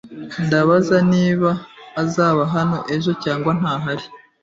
Ndabaza niba azaba hano ejo cyangwa ntahari.